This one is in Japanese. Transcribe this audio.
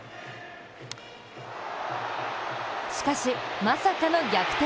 しかし、まさかの逆転